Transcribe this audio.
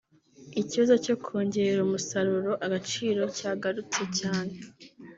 Ikibazo cyo kongerera umusaruro agaciro cyagarutse cyane